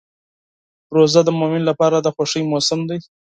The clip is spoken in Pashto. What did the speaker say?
روژه د مؤمن لپاره د خوښۍ موسم دی.